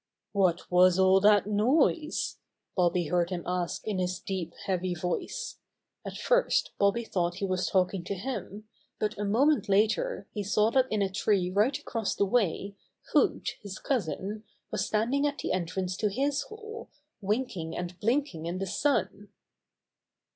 *What was all that noise?" Bobby heard him ask in his deep, heavy voice. At first 110 Bobby Gray Squirrel's Adventures Bobby thought he was talking to him, but a moment later he saw that in a tree right across the way Hoot, his cousin, was standing at the entrance to his hole, winking and blinking in the sun.